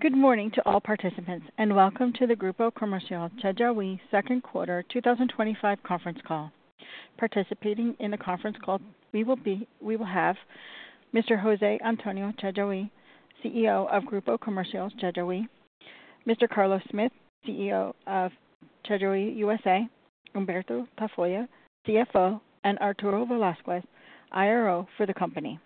Good morning to all participants and welcome to the Grupo Comercial Chedraui Second Quarter 2025 Conference Call. Participating in the conference call, we will have Mr. José Antonio Chedraui, CEO of Grupo Comercial Chedraui, Mr. Carlos Smith, CEO of Chedraui USA, Humberto Tafoya, CFO, and Arturo Velázquez, IRO for the company.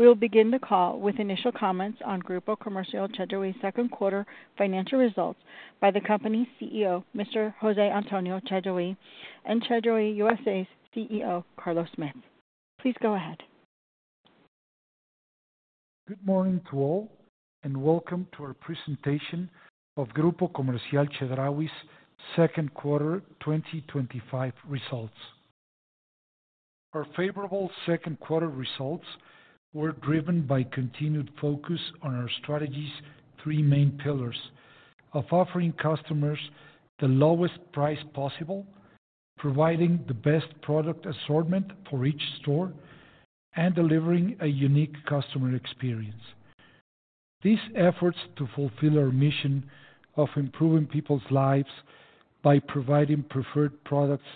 We will begin the call with initial comments on Grupo Comercial Chedraui's second quarter financial results by the company's CEO, Mr. José Antonio Chedraui, and Chedraui USA's CEO, Carlos Smith. Please go ahead. Good morning to all, and welcome to our presentation of Grupo Comercial Chedraui's Second Quarter 2025 Results. Our favorable second quarter results were driven by continued focus on our strategy's three main pillars: offering customers the lowest price possible, providing the best product assortment for each store, and delivering a unique customer experience. These efforts to fulfill our mission of improving people's lives by providing preferred products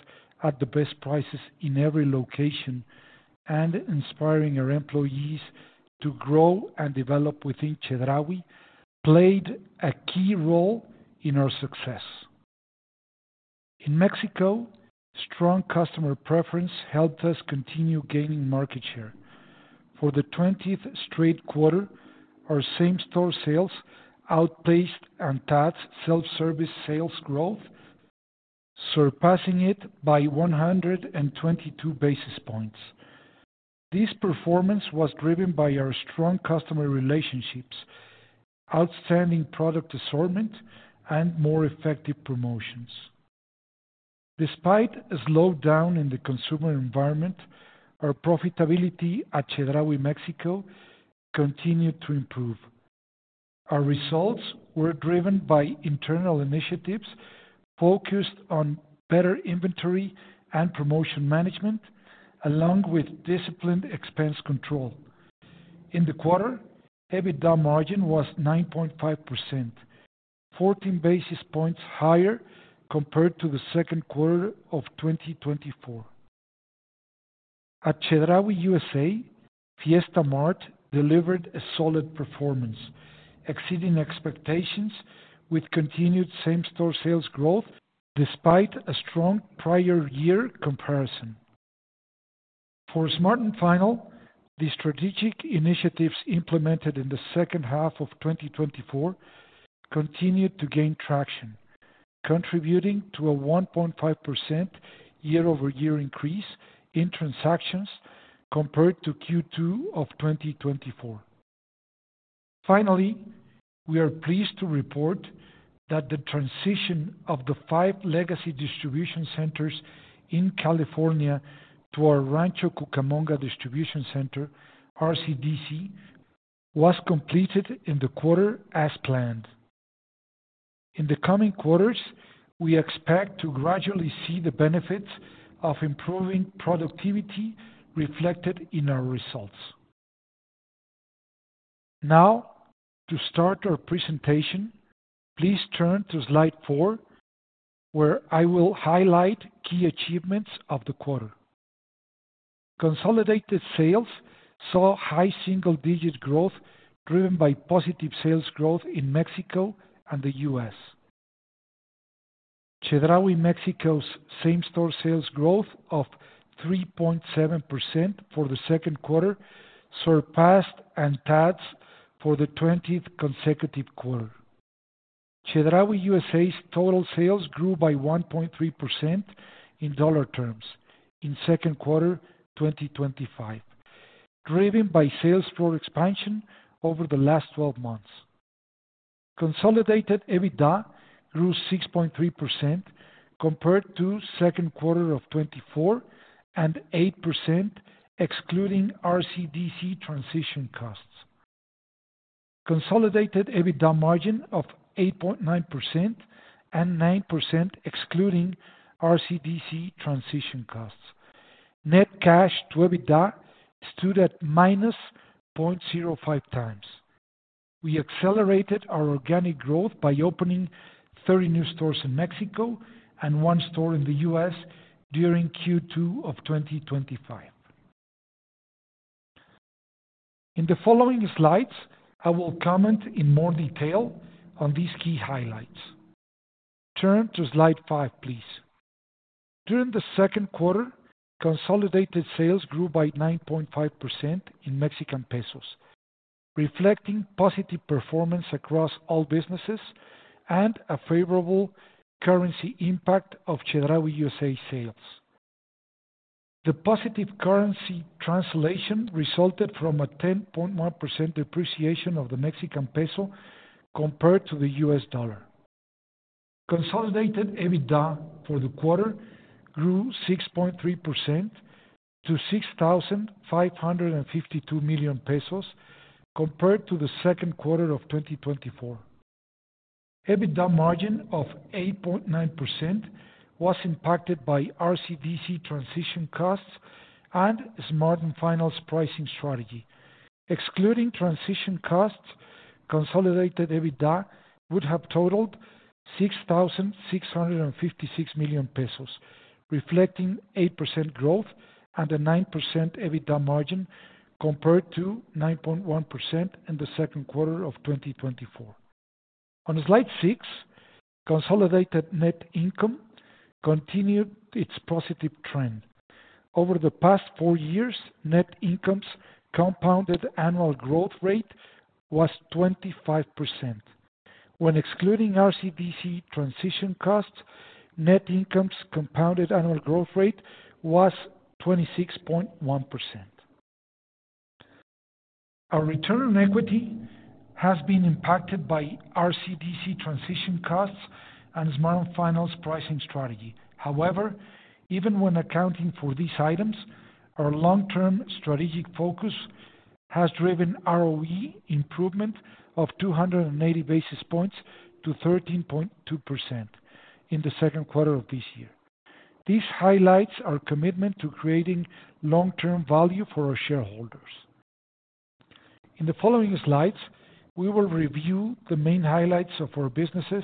at the best prices in every location and inspiring our employees to grow and develop within Chedraui played a key role in our success. In Mexico, strong customer preference helped us continue gaining market share. For the 20th straight quarter, our same-store sales outpaced ANTAD's self-service sales growth, surpassing it by 122 basis points. This performance was driven by our strong customer relationships, outstanding product assortment, and more effective promotions. Despite a slowdown in the consumer environment, our profitability at Chedraui Mexico continued to improve. Our results were driven by internal initiatives focused on better inventory and promotion management, along with disciplined expense control. In the quarter, EBITDA margin was 9.5%, 14 basis points higher compared to the second quarter of 2024. At Chedraui USA, Fiesta Mart delivered a solid performance, exceeding expectations with continued same-store sales growth despite a strong prior-year comparison. For Smart & Final, the strategic initiatives implemented in the second half of 2024 continued to gain traction, contributing to a 1.5% year-over-year increase in transactions compared to Q2 of 2024. Finally, we are pleased to report that the transition of the five legacy distribution centers in California to our Rancho Cucamonga Distribution Center, RCDC, was completed in the quarter as planned. In the coming quarters, we expect to gradually see the benefits of improving productivity reflected in our results. Now, to start our presentation, please turn to slide four, where I will highlight key achievements of the quarter. Consolidated sales saw high single-digit growth driven by positive sales growth in Mexico and the U.S. Chedraui Mexico's same-store sales growth of 3.7% for the second quarter surpassed ANTAD's for the 20th consecutive quarter. Chedraui USA's total sales grew by 1.3% in dollar terms in second quarter 2025, driven by sales floor expansion over the last 12 months. Consolidated EBITDA grew 6.3% compared to the second quarter of 2024 and 8% excluding RCDC transition costs. Consolidated EBITDA margin of 8.9% and 9% excluding RCDC transition costs. Net cash to EBITDA stood at -0.05x. We accelerated our organic growth by opening 30 new stores in Mexico and one store in the U.S. during Q2 of 2025. In the following slides, I will comment in more detail on these key highlights. Turn to slide five, please. During the second quarter, consolidated sales grew by 9.5% in Mexican pesos, reflecting positive performance across all businesses and a favorable currency impact of Chedraui USA sales. The positive currency translation resulted from a 10.1% depreciation of the Mexican peso compared to the US dollar. Consolidated EBITDA for the quarter grew 6.3% to 6,552 million pesos compared to the second quarter of 2024. EBITDA margin of 8.9% was impacted by RCDC transition costs and Smart & Final's pricing strategy. Excluding transition costs, consolidated EBITDA would have totaled 6,656 million pesos, reflecting 8% growth and a 9% EBITDA margin compared to 9.1% in the second quarter of 2024. On slide six, consolidated net income continued its positive trend. Over the past four years, net income's compounded annual growth rate was 25%. When excluding RCDC transition costs, net income's compounded annual growth rate was 26.1%. Our return on equity has been impacted by RCDC transition costs and Smart & Final's pricing strategy. However, even when accounting for these items, our long-term strategic focus has driven ROE improvement of 280 basis points to 13.2% in the second quarter of this year. This highlights our commitment to creating long-term value for our shareholders. In the following slides, we will review the main highlights of our businesses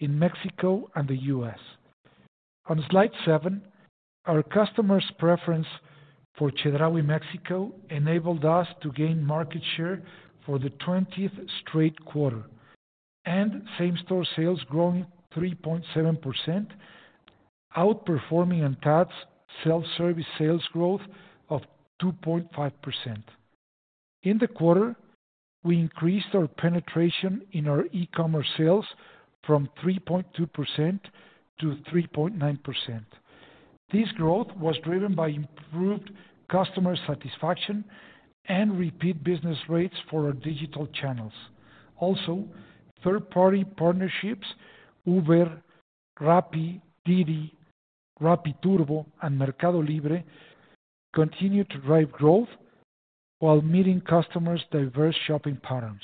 in Mexico and the U.S. On slide seven, our customers' preference for Chedraui Mexico enabled us to gain market share for the 20th straight quarter, and same-store sales growing 3.7%, outperforming ANTAD's self-service sales growth of 2.5%. In the quarter, we increased our penetration in our e-commerce sales from 3.2%-3.9%. This growth was driven by improved customer satisfaction and repeat business rates for our digital channels. Also, third-party partnerships Uber, Rappi, DiDi, Rappi Turbo, and Mercado Libre continued to drive growth while meeting customers' diverse shopping patterns.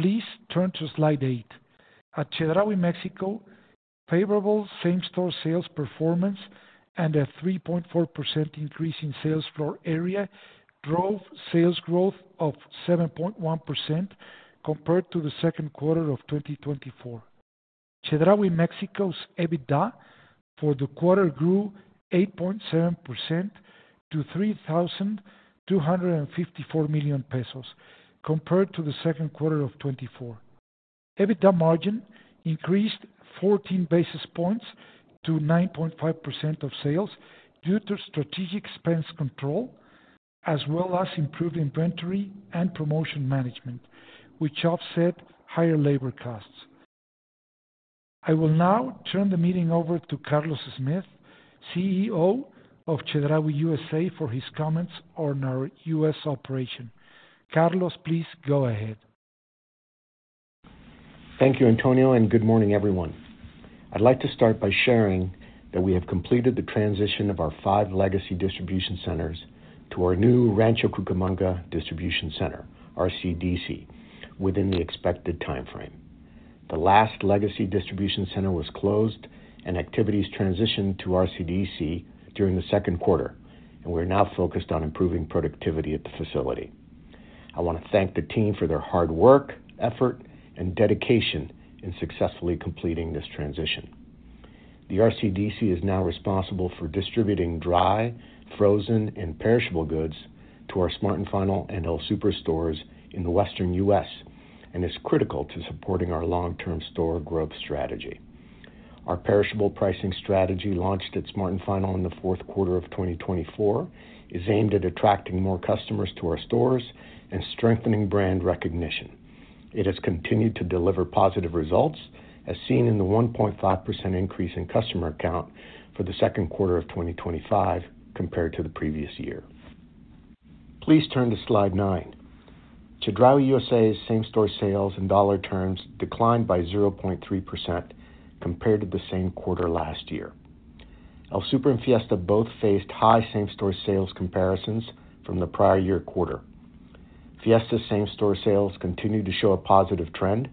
Please turn to slide eight. At Chedraui Mexico, favorable same-store sales performance and a 3.4% increase in sales floor area drove sales growth of 7.1% compared to the second quarter of 2024. Chedraui Mexico's EBITDA for the quarter grew 8.7% to 3,254 million pesos compared to the second quarter of 2024. EBITDA margin increased 14 basis points to 9.5% of sales due to strategic expense control, as well as improved inventory and promotion management, which offset higher labor costs. I will now turn the meeting over to Carlos Smith, CEO of Chedraui USA, for his comments on our US operation. Carlos, please go ahead. Thank you, Antonio, and good morning, everyone. I'd like to start by sharing that we have completed the transition of our five legacy distribution centers to our new Rancho Cucamonga Distribution Center, RCDC, within the expected timeframe. The last legacy distribution center was closed, and activities transitioned to RCDC during the second quarter, and we are now focused on improving productivity at the facility. I want to thank the team for their hard work, effort, and dedication in successfully completing this transition. The RCDC is now responsible for distributing dry, frozen, and perishable goods to our Smart & Final and El Super stores in the Western U.S. and is critical to supporting our long-term store growth strategy. Our perishable pricing strategy, launched at Smart & Final in the fourth quarter of 2024, is aimed at attracting more customers to our stores and strengthening brand recognition. It has continued to deliver positive results, as seen in the 1.5% increase in customer count for the second quarter of 2025 compared to the previous year. Please turn to slide nine. Chedraui USA's same-store sales in dollar terms declined by 0.3% compared to the same quarter last year. El Super and Fiesta Mart both faced high same-store sales comparisons from the prior year quarter. Fiesta's same-store sales continued to show a positive trend,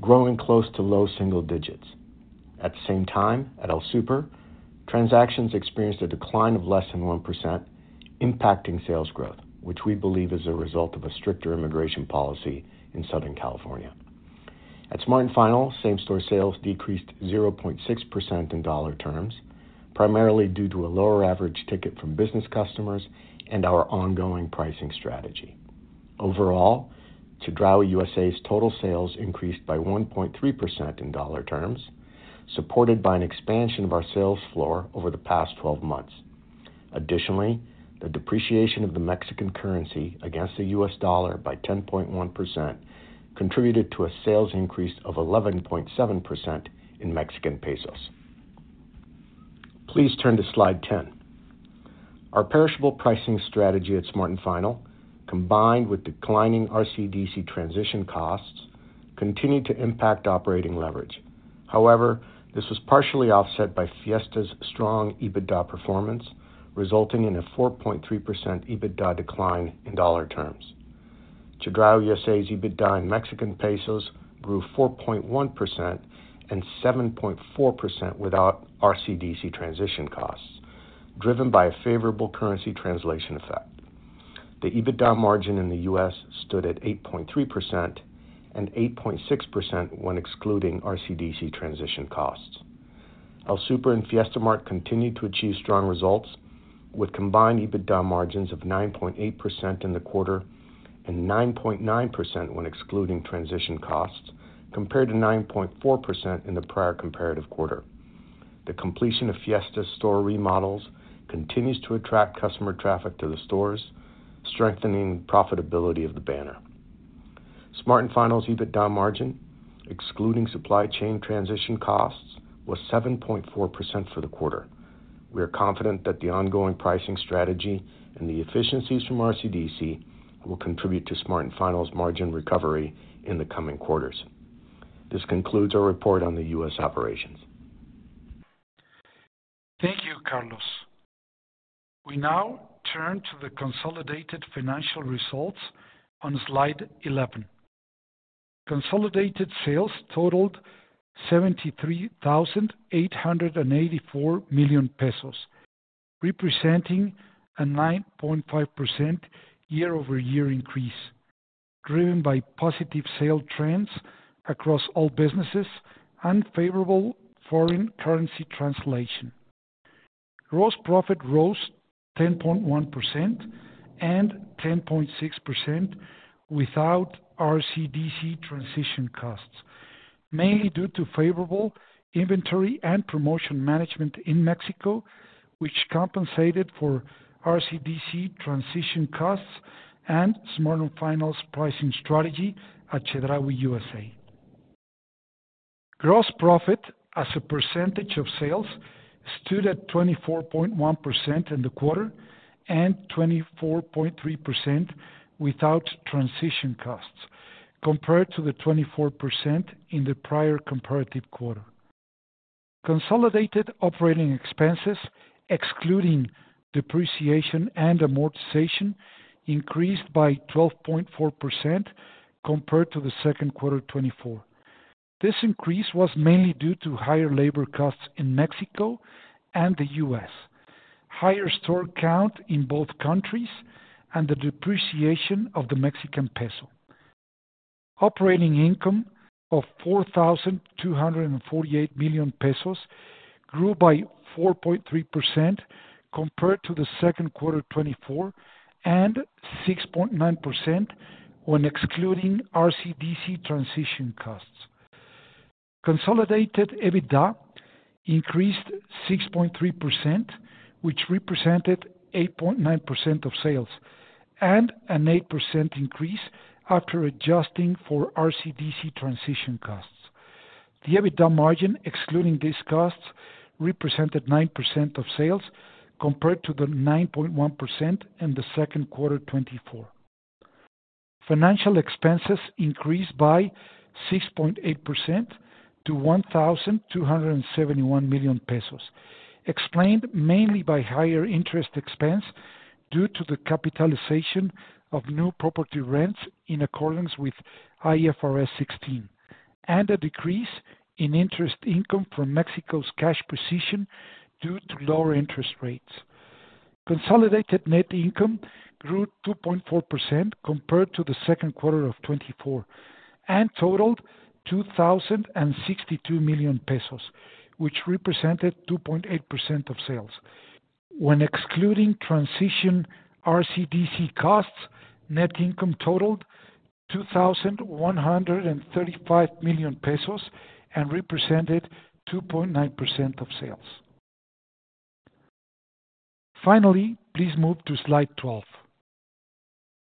growing close to low single digits. At the same time, at El Super, transactions experienced a decline of less than 1%, impacting sales growth, which we believe is a result of a stricter immigration policy in Southern California. At Smart & Final, same-store sales decreased 0.6% in dollar terms, primarily due to a lower average ticket from business customers and our ongoing pricing strategy. Overall, Chedraui USA's total sales increased by 1.3% in dollar terms, supported by an expansion of our sales floor over the past 12 months. Additionally, the depreciation of the Mexican currency against the U.S. dollar by 10.1% contributed to a sales increase of 11.7% in Mexican pesos. Please turn to slide 10. Our perishable pricing strategy at Smart & Final, combined with declining RCDC transition costs, continued to impact operating leverage. However, this was partially offset by Fiesta's strong EBITDA performance, resulting in a 4.3% EBITDA decline in dollar terms. Chedraui USA's EBITDA in Mexican pesos grew 4.1% and 7.4% without RCDC transition costs, driven by a favorable currency translation effect. The EBITDA margin in the US stood at 8.3% and 8.6% when excluding RCDC transition costs. El Super and Fiesta Mart continued to achieve strong results with combined EBITDA margins of 9.8% in the quarter and 9.9% when excluding transition costs, compared to 9.4% in the prior comparative quarter. The completion of Fiesta Mart's store remodels continues to attract customer traffic to the stores, strengthening the profitability of the banner. Smart & Final's EBITDA margin, excluding supply chain transition costs, was 7.4% for the quarter. We are confident that the ongoing pricing strategy and the efficiencies from RCDC will contribute to Smart & Final's margin recovery in the coming quarters. This concludes our report on the U.S. operations. Thank you, Carlos. We now turn to the consolidated financial results on slide 11. Consolidated sales totaled $73,884 million pesos, representing a 9.5% year-over-year increase, driven by positive sale trends across all businesses and favorable foreign currency translation. Gross profit rose 10.1% and 10.6% without Rancho Cucamonga Distribution Center transition costs, mainly due to favorable inventory and promotion management in Mexico, which compensated for Rancho Cucamonga Distribution Center transition costs and Smart & Final's pricing strategy at Chedraui USA. Gross profit as a percentage of sales stood at 24.1% in the quarter and 24.3% without transition costs, compared to 24% in the prior comparative quarter. Consolidated operating expenses, excluding depreciation and amortization, increased by 12.4% compared to the second quarter of 2024. This increase was mainly due to higher labor costs in Mexico and the U.S., higher store count in both countries, and the depreciation of the Mexican peso. Operating income of MXN $4,248 million grew by 4.3% compared to the second quarter of 2024 and 6.9% when excluding Rancho Cucamonga Distribution Center transition costs. Consolidated EBITDA increased 6.3%, which represented 8.9% of sales and an 8% increase after adjusting for Rancho Cucamonga Distribution Center transition costs. The EBITDA margin excluding these costs represented 9% of sales compared to 9.1% in the second quarter of 2024. Financial expenses increased by 6.8% to MXN $1,271 million, explained mainly by higher interest expense due to the capitalization of new property rents in accordance with IFRS 16, and a decrease in interest income from Mexico's cash position due to lower interest rates. Consolidated net income grew 2.4% compared to the second quarter of 2024 and totaled 2,062 million pesos, which represented 2.8% of sales. When excluding RCDC transition costs, net income totaled 2,135 million pesos and represented 2.9% of sales. Finally, please move to slide 12.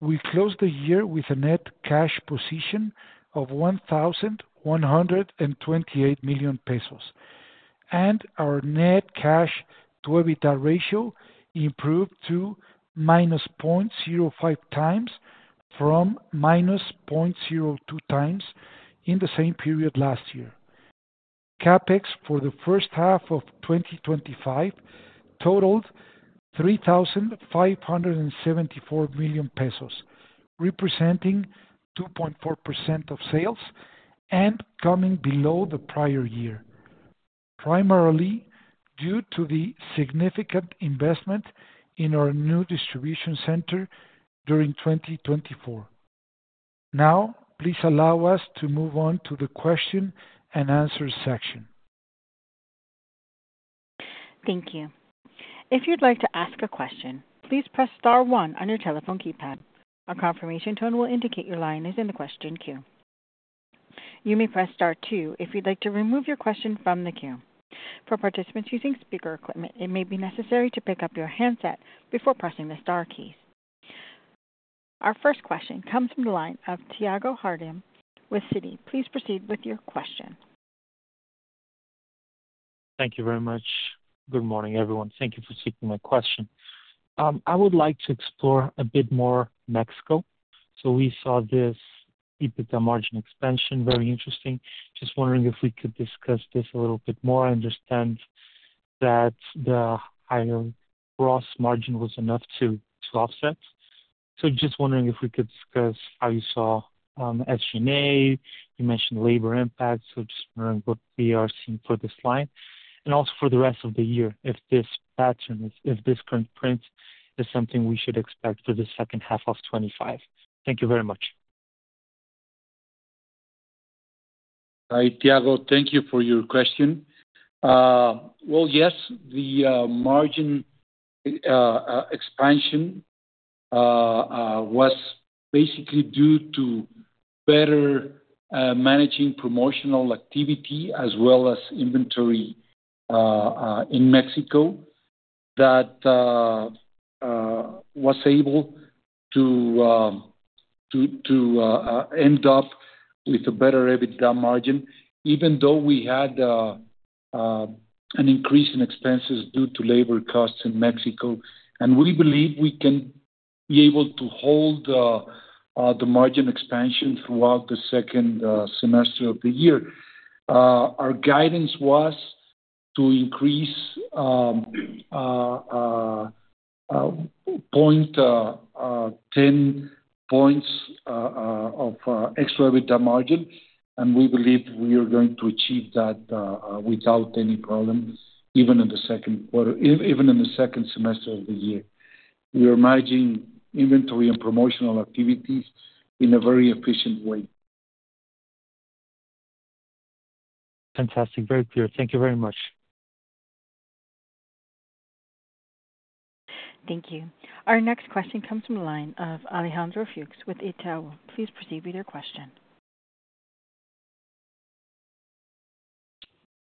We closed the year with a net cash position of 1,128 million pesos, and our net cash to EBITDA ratio improved to -0.05x from -0.02x in the same period last year. CapEx for the first half of 2025 totaled MXN 3,574 million, representing 2.4% of sales and coming below the prior year, primarily due to the significant investment in our new distribution center during 2024. Now, please allow us to move on to the question and answer section. Thank you. If you'd like to ask a question, please press star one on your telephone keypad. A confirmation tone will indicate your line is in the question queue. You may press star two if you'd like to remove your question from the queue. For participants using speaker equipment, it may be necessary to pick up your handset before pressing the star keys. Our first question comes from the line of Tiago Harduim with Citi. Please proceed with your question. Thank you very much. Good morning, everyone. Thank you for taking my question. I would like to explore a bit more Mexico. We saw this EBITDA margin expansion, very interesting. Just wondering if we could discuss this a little bit more. I understand that the higher gross margin was enough to offset. Just wondering if we could discuss how you saw SG&A. You mentioned labor impacts. Just wondering what we are seeing for this line and also for the rest of the year, if this pattern, if this current print is something we should expect for the second half of 2025. Thank you very much. Hi, Tiago. Thank you for your question. Yes, the margin expansion was basically due to better managing promotional activity as well as inventory in Mexico that was able to end up with a better EBITDA margin, even though we had an increase in expenses due to labor costs in Mexico. We believe we can be able to hold the margin expansion throughout the second semester of the year. Our guidance was to increase 10 points of extra EBITDA margin, and we believe we are going to achieve that without any problem, even in the second quarter, even in the second semester of the year. We are managing inventory and promotional activities in a very efficient way. Fantastic. Very clear. Thank you very much. Thank you. Our next question comes from the line of Alejandro Fuchs with Itaú. Please proceed with your question.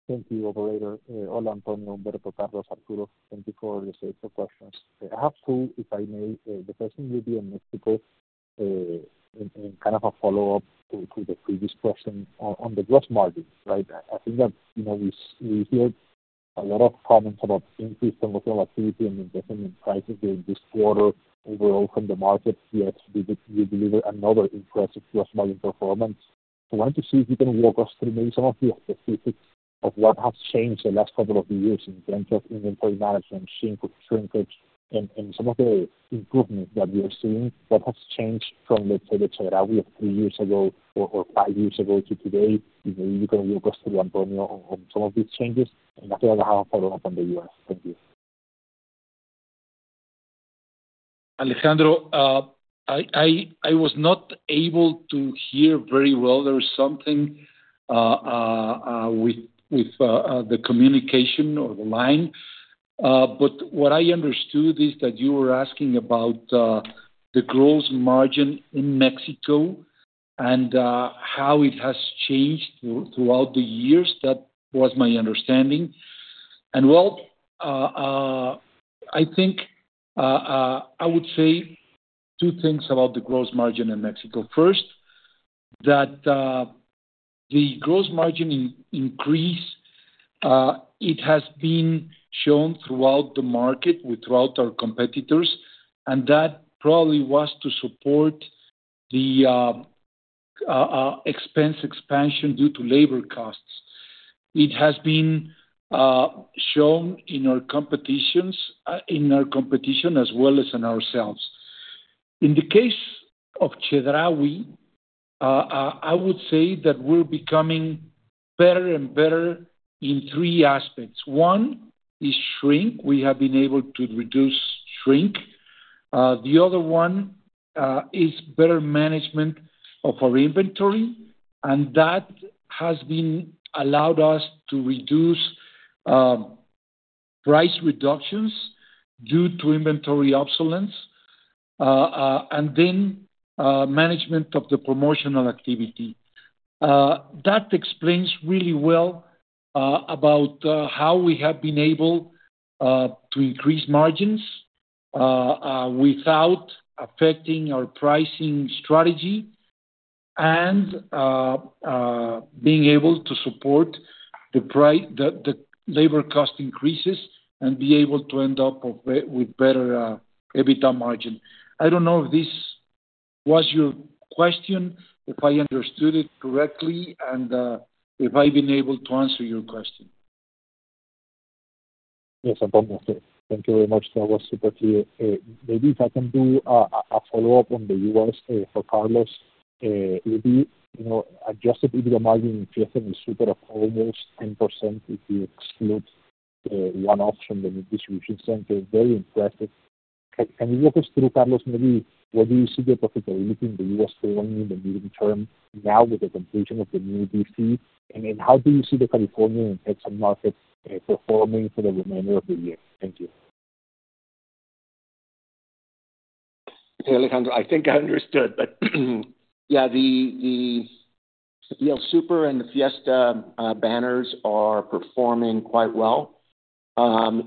Thank you, Operator. Hola Antonio, Humberto, Carlos, Arturo. Thank you for the extra questions. I have two, if I may. The first thing would be in Mexico, and kind of a follow-up to the previous question on the gross margin, right? I think that, you know, we hear a lot of comments about increased promotional activity and investment in prices during this quarter. Overall, from the markets, yes, we delivered another impressive gross margin performance. I wanted to see if you can walk us through maybe some of the specifics of what has changed the last couple of years in terms of inventory management, shrink reduction, and some of the improvements that we are seeing. What has changed from, let's say, the Chedraui of three years ago or five years ago to today? If maybe you can walk us through, Antonio, on some of these changes. I have a follow-up on the U.S. Thank you. Alejandro, I was not able to hear very well. There was something with the communication or the line. What I understood is that you were asking about the gross margin in Mexico and how it has changed throughout the years. That was my understanding. I think I would say two things about the gross margin in Mexico. First, the gross margin increase has been shown throughout the market with our competitors, and that probably was to support the expense expansion due to labor costs. It has been shown in our competition as well as in ourselves. In the case of Chedraui, I would say that we're becoming better and better in three aspects. One is shrink. We have been able to reduce shrink. The other one is better management of our inventory, and that has allowed us to reduce price reductions due to inventory obsolescence, and then management of the promotional activity. That explains really well how we have been able to increase margins without affecting our pricing strategy and being able to support the labor cost increases and be able to end up with better EBITDA margin. I don't know if this was your question, if I understood it correctly, and if I've been able to answer your question. Yes, Antonio. Thank you very much. That was super clear. Maybe if I can do a follow-up on the U.S., for Carlos, it would be, you know, adjusted EBITDA margin in Fiesta and El Super of almost 10% if you exclude, one option, the new distribution center. It's very impressive. Can you walk us through, Carlos, maybe what do you see the profitability in the U.S. following in the medium term now with the completion of the new D.C.? How do you see the California and Texas markets performing for the remainder of the year? Thank you. Hey, Alejandro. I think I understood, but yeah, the El Super and the Fiesta banners are performing quite well,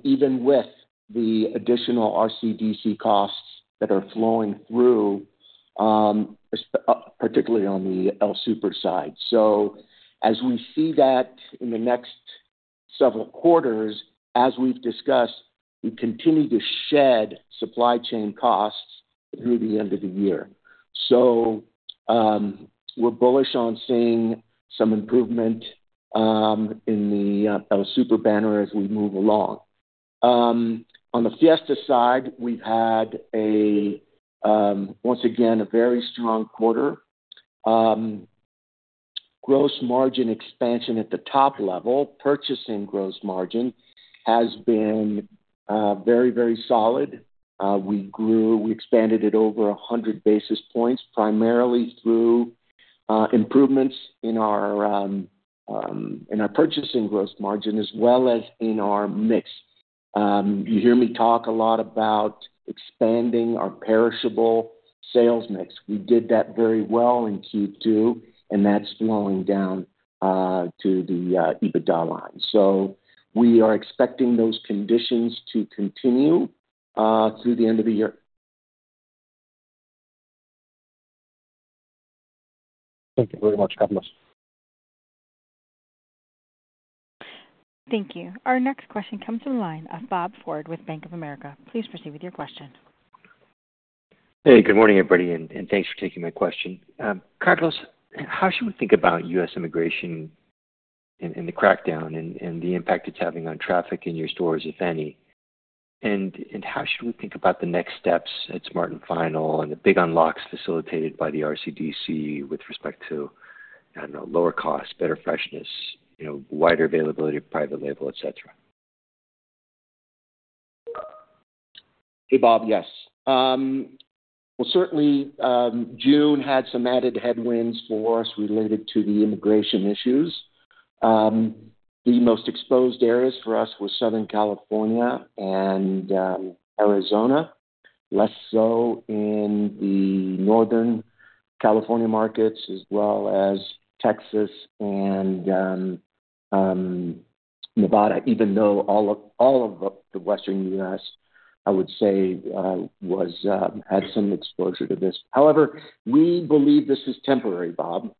even with the additional RCDC costs that are flowing through, particularly on the El Super side. As we see that in the next several quarters, as we've discussed, we continue to shed supply chain costs through the end of the year. We're bullish on seeing some improvement in the El Super banner as we move along. On the Fiesta side, we've had, once again, a very strong quarter. Gross margin expansion at the top level, purchasing gross margin has been very, very solid. We grew, we expanded it over 100 basis points, primarily through improvements in our purchasing gross margin as well as in our mix. You hear me talk a lot about expanding our perishable sales mix. We did that very well in Q2, and that's flowing down to the EBITDA line. We are expecting those conditions to continue through the end of the year. Thank you very much, Carlos. Thank you. Our next question comes from the line of Bob Ford with Bank of America. Please proceed with your question. Hey, good morning, everybody, and thanks for taking my question. Carlos, how should we think about U.S. immigration and the crackdown and the impact it's having on traffic in your stores, if any? How should we think about the next steps at Smart & Final and the big unlocks facilitated by the RCDC with respect to, I don't know, lower costs, better freshness, wider availability of private label, etc.? Hey, Bob. Yes, certainly, June had some added headwinds for us related to the immigration issues. The most exposed areas for us were Southern California and Arizona, less so in the Northern California markets as well as Texas and Nevada, even though all of the Western U.S., I would say, had some exposure to this. However, we believe this is temporary, Bob.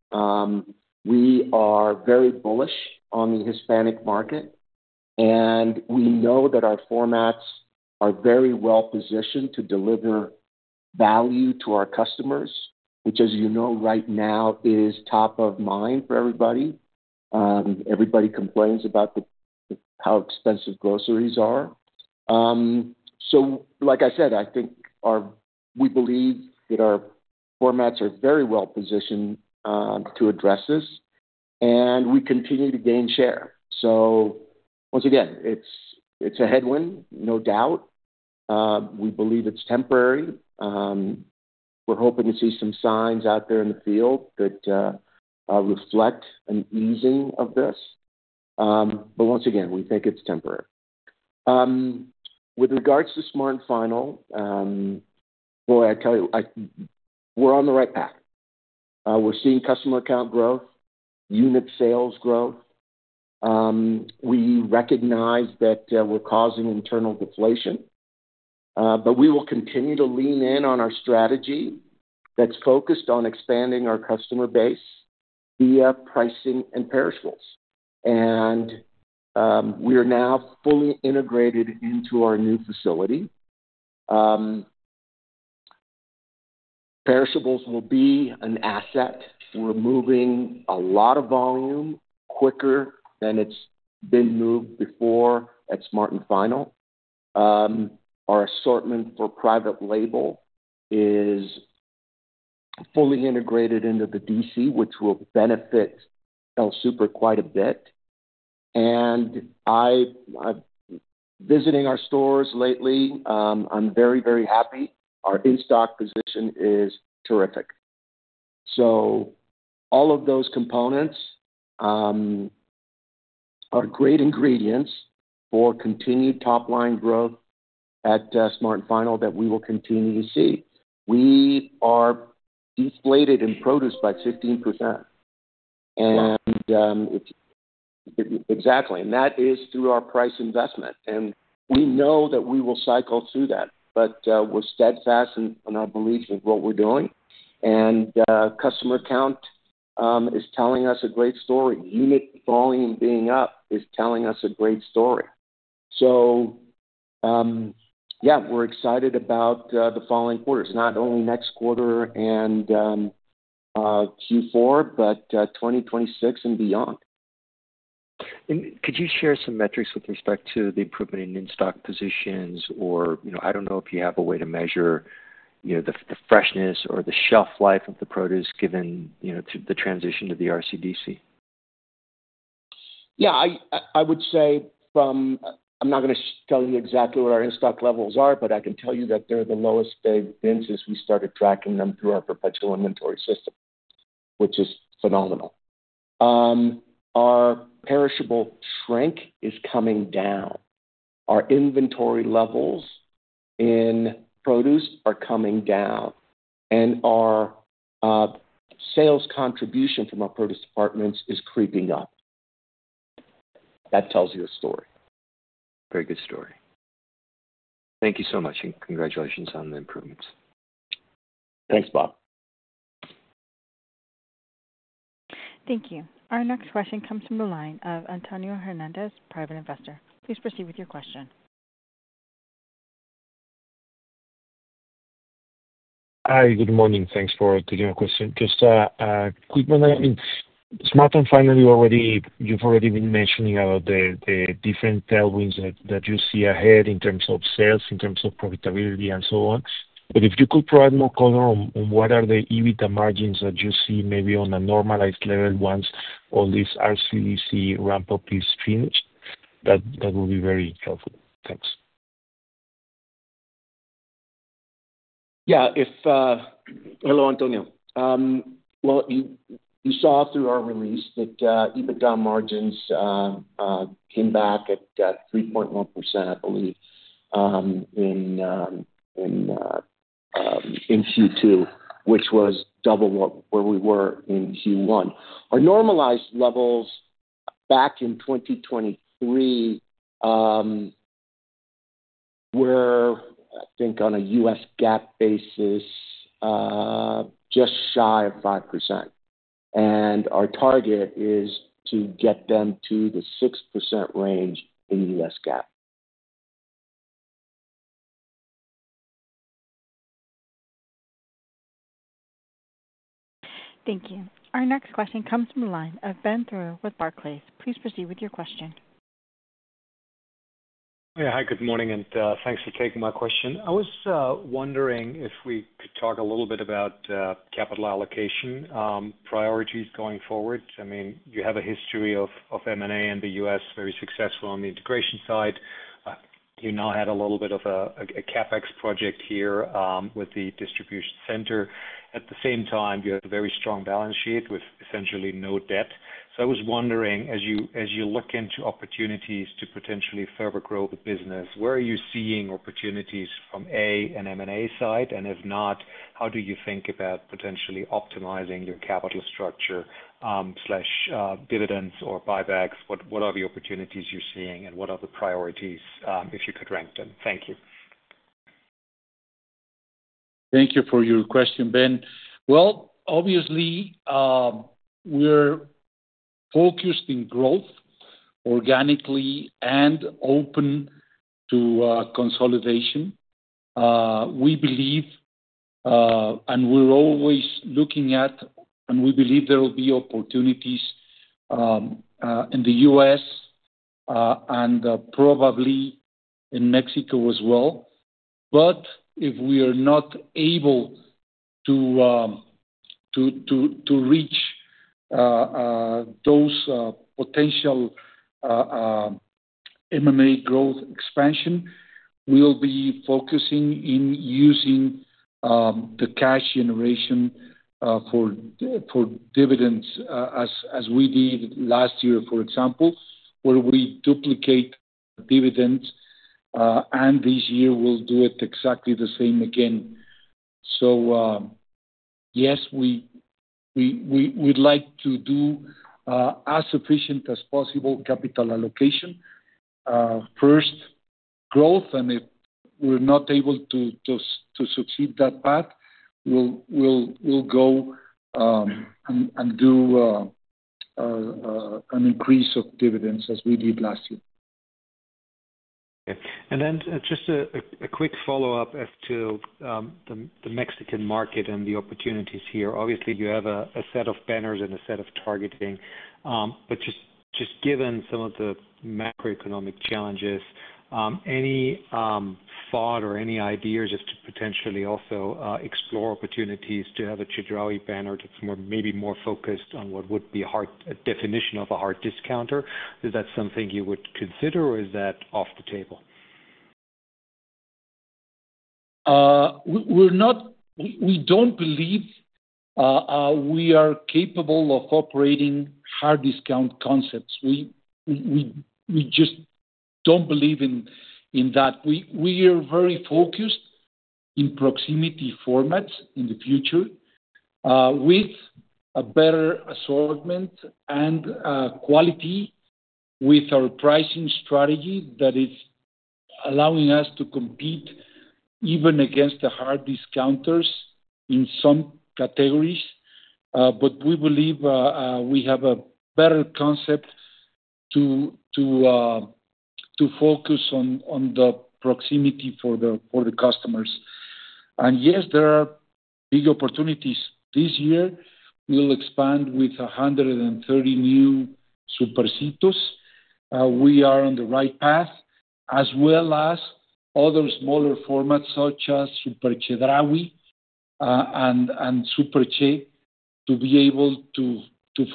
We are very bullish on the Hispanic market, and we know that our formats are very well positioned to deliver value to our customers, which, as you know, right now is top of mind for everybody. Everybody complains about how expensive groceries are. Like I said, we believe that our formats are very well positioned to address this, and we continue to gain share. Once again, it's a headwind, no doubt. We believe it's temporary. We're hoping to see some signs out there in the field that reflect an easing of this, but once again, we think it's temporary. With regards to Smart & Final, I tell you, we're on the right path. We're seeing customer count growth, unit sales growth. We recognize that we're causing internal deflation, but we will continue to lean in on our strategy that's focused on expanding our customer base via pricing and perishables. We are now fully integrated into our new facility. The perishables will be an asset. We're moving a lot of volume quicker than it's been moved before at Smart & Final. Our assortment for private label is fully integrated into the D.C., which will benefit El Super quite a bit. I've visited our stores lately. I'm very, very happy. Our in-stock position is terrific. All of those components are great ingredients for continued top-line growth at Smart & Final that we will continue to see. We are deflated in produce by 15%. That is through our price investment, and we know that we will cycle through that, but we're steadfast in our belief in what we're doing. Customer count is telling us a great story. Unit volume being up is telling us a great story. We're excited about the following quarters, not only next quarter and Q4, but 2026 and beyond. Could you share some metrics with respect to the improvement in in-stock positions? I don't know if you have a way to measure the freshness or the shelf life of the produce given the transition to the RCDC. Yeah, I would say I'm not going to tell you exactly what our in-stock levels are, but I can tell you that they're the lowest they've been since we started tracking them through our perpetual inventory system, which is phenomenal. Our perishable shrink is coming down, our inventory levels in produce are coming down, and our sales contribution from our produce departments is creeping up. That tells you a story. Very good story. Thank you so much. Congratulations on the improvements. Thanks, Bob. Thank you. Our next question comes from the line of Antonio Hernández, private investor. Please proceed with your question. Hi. Good morning. Thanks for taking my question. Just quickly, I mean, Smart & Final, you've already been mentioning about the different tailwinds that you see ahead in terms of sales, in terms of profitability, and so on. If you could provide more color on what are the EBITDA margins that you see maybe on a normalized level once all this RCDC ramp-up is finished, that would be very helpful. Thanks. Hello, Antonio. You saw through our release that EBITDA margins came back at 3.1% in Q2, which was double where we were in Q1. Our normalized levels back in 2023 were, I think, on a U.S. GAAP basis, just shy of 5%. Our target is to get them to the 6% range in U.S. GAAP. Thank you. Our next question comes from the line of Ben Thoreau with Barclays. Please proceed with your question. Oh, yeah. Hi. Good morning, and thanks for taking my question. I was wondering if we could talk a little bit about capital allocation priorities going forward. I mean, you have a history of M&A in the US, very successful on the integration side. You now had a little bit of a CapEx project here with the distribution center. At the same time, you have a very strong balance sheet with essentially no debt. I was wondering, as you look into opportunities to potentially further grow the business, where are you seeing opportunities from an M&A side? If not, how do you think about potentially optimizing your capital structure, dividends or buybacks? What are the opportunities you're seeing and what are the priorities, if you could rank them? Thank you. Thank you for your question, Ben. Obviously, we're focused in growth, organically, and open to consolidation. We believe, and we're always looking at, and we believe there will be opportunities in the U.S., and probably in Mexico as well. If we are not able to reach those potential M&A growth expansion, we'll be focusing in using the cash generation for dividends, as we did last year, for example, where we duplicate dividends. This year, we'll do it exactly the same again. Yes, we'd like to do as efficient as possible capital allocation. First, growth, and if we're not able to succeed that path, we'll go and do an increase of dividends as we did last year. Okay. Just a quick follow-up as to the Mexican market and the opportunities here. Obviously, you have a set of banners and a set of targeting. Just given some of the macroeconomic challenges, any thought or any ideas as to potentially also explore opportunities to have a Chedraui banner that's maybe more focused on what would be a hard definition of a hard discounter? Is that something you would consider, or is that off the table? We don't believe we are capable of operating hard discount concepts. We just don't believe in that. We are very focused in proximity formats in the future, with a better assortment and quality with our pricing strategy that is allowing us to compete even against the hard discounters in some categories. We believe we have a better concept to focus on the proximity for the customers. Yes, there are big opportunities. This year, we'll expand with 130 new Supercitos. We are on the right path, as well as other smaller formats such as Super Chedraui and Superche to be able to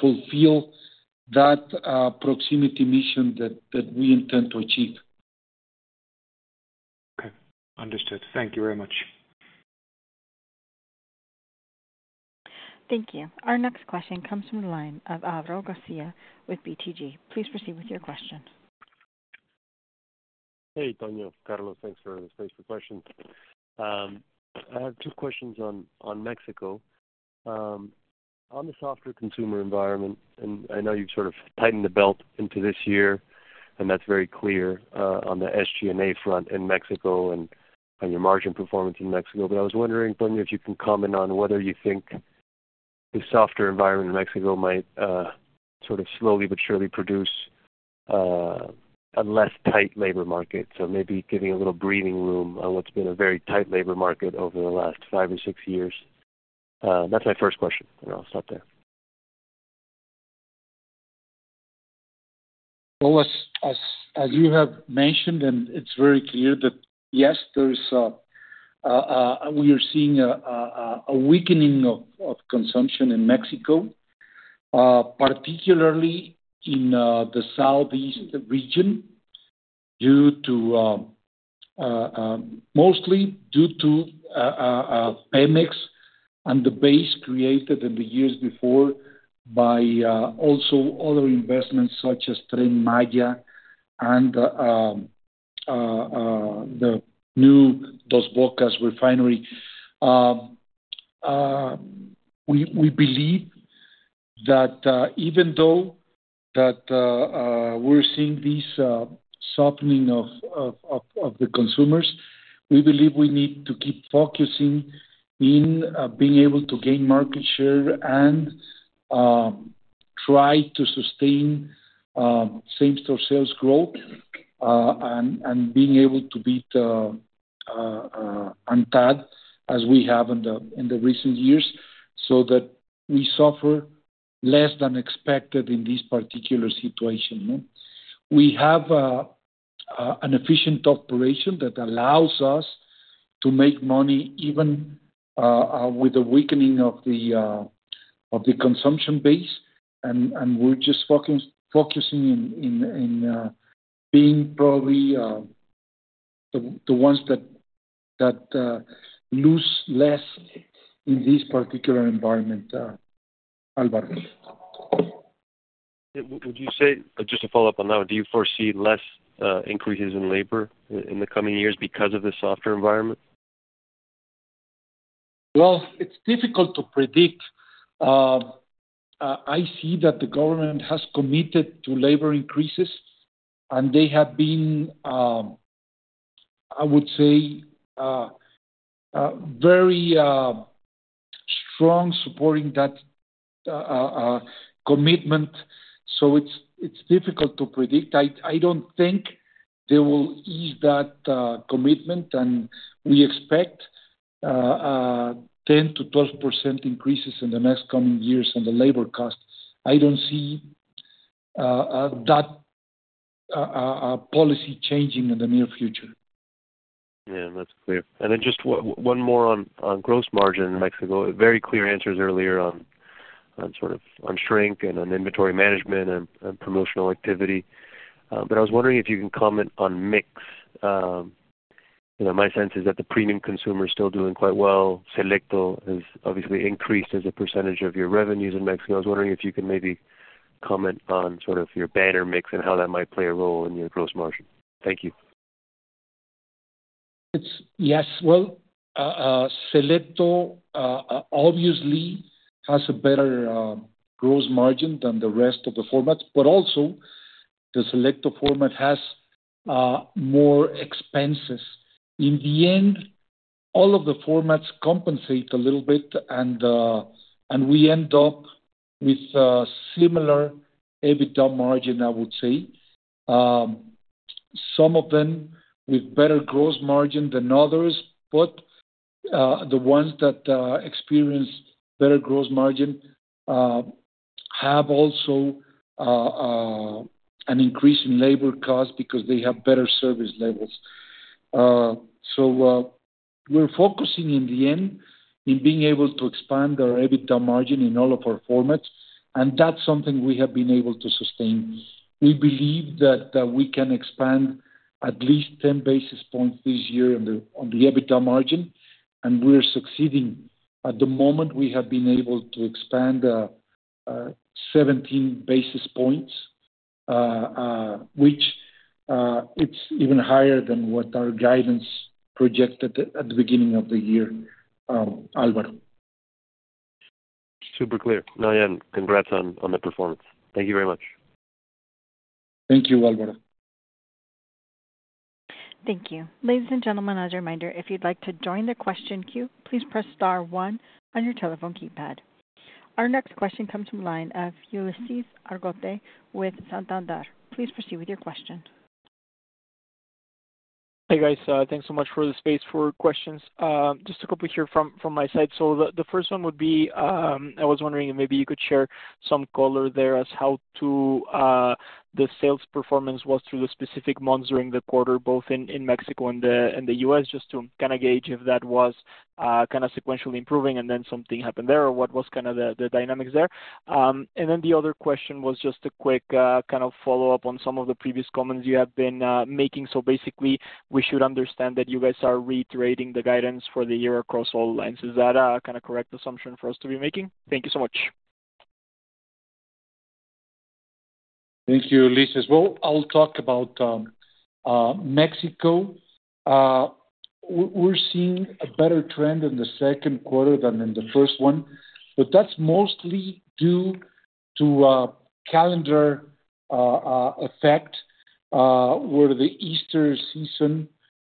fulfill that proximity mission that we intend to achieve. Okay. Understood. Thank you very much. Thank you. Our next question comes from the line of Alvaro Garcia with BTG. Please proceed with your question. Hey, Antonio. Carlos, thanks for the question. I have two questions on Mexico. On the softer consumer environment, and I know you've sort of tightened the belt into this year, and that's very clear on the SG&A front in Mexico and on your margin performance in Mexico. I was wondering, Antonio, if you can comment on whether you think the softer environment in Mexico might slowly but surely produce a less tight labor market, maybe giving a little breathing room on what's been a very tight labor market over the last five or six years. That's my first question, and I'll stop there. As you have mentioned, it's very clear that, yes, we are seeing a weakening of consumption in Mexico, particularly in the southeast region, mostly due to Pemex and the base created in the years before by other investments such as Tren Maya and the new Dos Bocas Refinery. We believe that, even though we're seeing this softening of the consumers, we need to keep focusing on being able to gain market share and try to sustain same-store sales growth, and being able to beat ANTAD as we have in recent years so that we suffer less than expected in this particular situation. We have an efficient operation that allows us to make money even with the weakening of the consumption base. We're just focusing on being probably the ones that lose less in this particular environment, Alvaro. Would you say, just to follow up on that, do you foresee less increases in labor in the coming years because of the softer environment? It's difficult to predict. I see that the government has committed to labor increases, and they have been, I would say, very strong supporting that commitment. It's difficult to predict. I don't think they will ease that commitment. We expect 10%-12% increases in the next coming years on the labor cost. I don't see that policy changing in the near future. Yeah, that's clear. Just one more on gross margin in Mexico. Very clear answers earlier on shrink and on inventory management and promotional activity. I was wondering if you can comment on mix. You know, my sense is that the premium consumer is still doing quite well. Selecto has obviously increased as a percentage of your revenues in Mexico. I was wondering if you can maybe comment on your banner mix and how that might play a role in your gross margin. Thank you. Yes. Selecto obviously has a better gross margin than the rest of the formats, but also, the Selecto format has more expenses. In the end, all of the formats compensate a little bit, and we end up with a similar EBITDA margin, I would say. Some of them with better gross margin than others. The ones that experience better gross margin have also an increase in labor costs because they have better service levels. We are focusing in the end on being able to expand our EBITDA margin in all of our formats, and that's something we have been able to sustain. We believe that we can expand at least 10 basis points this year on the EBITDA margin, and we're succeeding. At the moment, we have been able to expand 17 basis points, which is even higher than what our guidance projected at the beginning of the year, Alvaro. Super clear. Yeah, and congrats on the performance. Thank you very much. Thank you, Alvaro. Thank you. Ladies and gentlemen, as a reminder, if you'd like to join the question queue, please press star one on your telephone keypad. Our next question comes from the line of Ulises Argote with Santander. Please proceed with your question. Hey, guys. Thanks so much for the space for questions. Just a couple here from my side. The first one would be, I was wondering if maybe you could share some color there as to how the sales performance was through the specific months during the quarter, both in Mexico and the U.S., just to kind of gauge if that was kind of sequentially improving and then something happened there, or what was kind of the dynamics there. The other question was just a quick follow-up on some of the previous comments you have been making. Basically, we should understand that you guys are reiterating the guidance for the year across all lines. Is that a correct assumption for us to be making? Thank you so much. Thank you, Ulises. I'll talk about Mexico. We're seeing a better trend in the second quarter than in the first one, but that's mostly due to a calendar effect, where the Easter season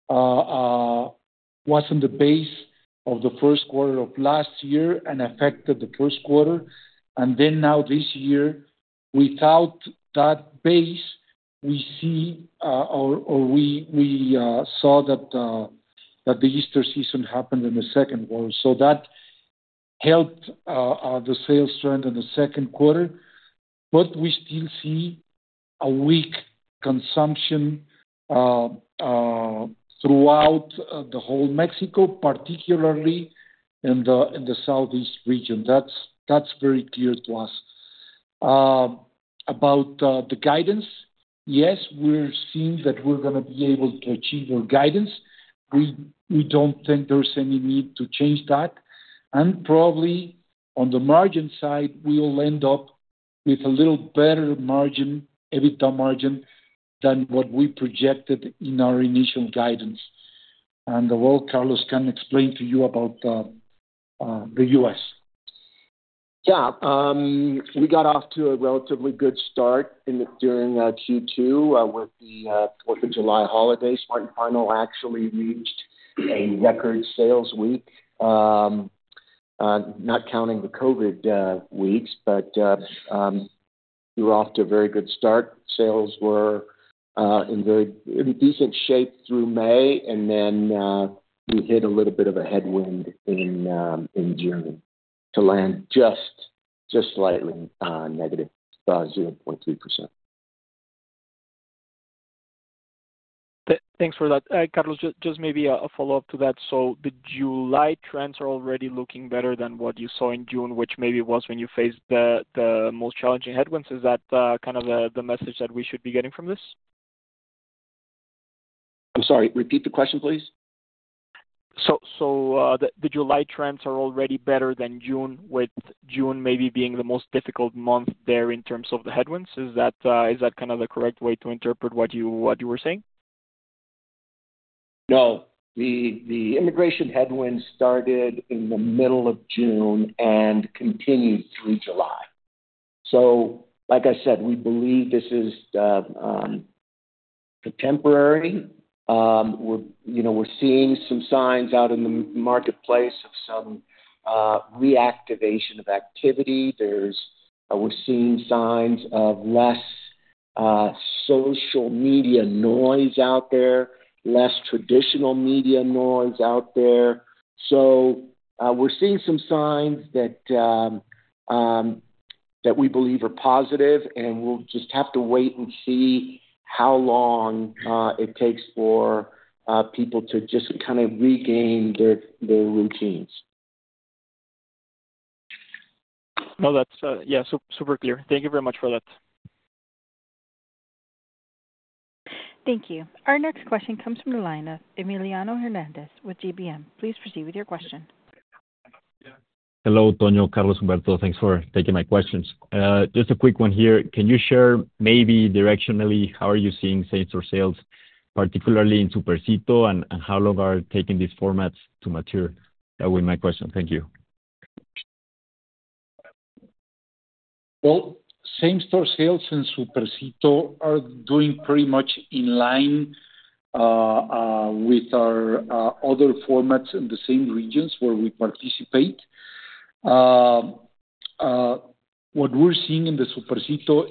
wasn't the base of the first quarter of last year and affected the first quarter. This year, without that base, we saw that the Easter season happened in the second quarter. That helped the sales trend in the second quarter. We still see weak consumption throughout the whole Mexico, particularly in the southeast region. That's very clear to us. About the guidance, yes, we're seeing that we're going to be able to achieve our guidance. We don't think there's any need to change that. Probably on the margin side, we'll end up with a little better EBITDA margin than what we projected in our initial guidance. Carlos can explain to you about the U.S. Yeah, we got off to a relatively good start during Q2 with the July holiday. Smart & Final actually reached a record sales week, not counting the COVID weeks. We were off to a very good start. Sales were in very decent shape through May. Then, we hit a little bit of a headwind in June to land just slightly negative, 0.3%. Thanks for that. Carlos, just maybe a follow-up to that. The July trends are already looking better than what you saw in June, which maybe was when you faced the most challenging headwinds. Is that kind of the message that we should be getting from this? I'm sorry. Repeat the question, please. The July trends are already better than June, with June maybe being the most difficult month there in terms of the headwinds. Is that kind of the correct way to interpret what you were saying? No. The immigration headwinds started in the middle of June and continued through July. Like I said, we believe this is contemporary. We're seeing some signs out in the marketplace of some reactivation of activity. We're seeing signs of less social media noise out there, less traditional media noise out there. We're seeing some signs that we believe are positive. We'll just have to wait and see how long it takes for people to just kind of regain their routines. No, that's, yeah, super clear. Thank you very much for that. Thank you. Our next question comes from the line of Emiliano Hernández with GBM. Please proceed with your question. Hello, Antonio. Carlos, Humberto, thanks for taking my questions. Just a quick one here. Can you share maybe directionally how are you seeing same-store sales, particularly in Supercito, and how long are taking these formats to mature? That would be my question. Thank you. Same-store sales in Supercito are doing pretty much in line with our other formats in the same regions where we participate. What we're seeing in Supercito,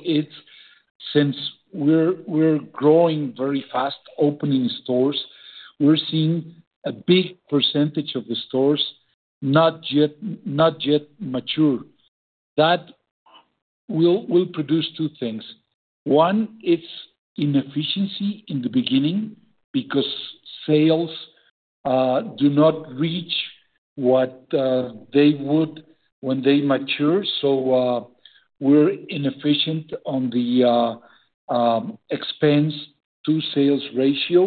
since we're growing very fast, opening stores, is a big percentage of the stores not yet mature. That will produce two things. One, it's inefficiency in the beginning because sales do not reach what they would when they mature. We're inefficient on the expense-to-sales ratio.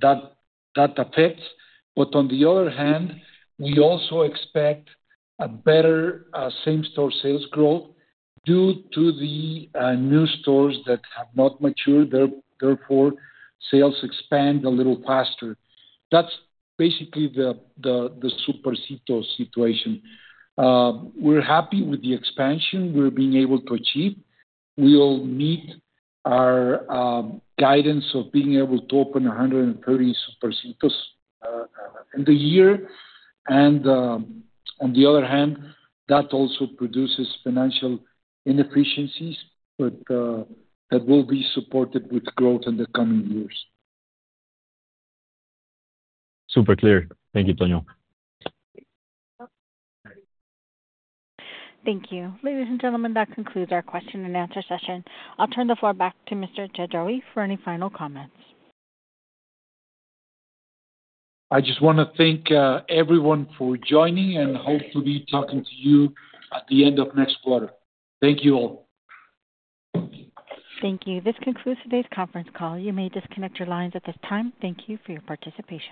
That affects. On the other hand, we also expect a better same-store sales growth due to the new stores that have not matured. Therefore, sales expand a little faster. That's basically the Supercito situation. We're happy with the expansion we're being able to achieve. We'll meet our guidance of being able to open 130 Supercitos in the year. On the other hand, that also produces financial inefficiencies, but that will be supported with growth in the coming years. Super clear. Thank you, Antonio. Thank you. Ladies and gentlemen, that concludes our question and answer session. I'll turn the floor back to Mr. Chedraui for any final comments. I just want to thank everyone for joining and hope to be talking to you at the end of next quarter. Thank you all. Thank you. This concludes today's conference call. You may disconnect your lines at this time. Thank you for your participation.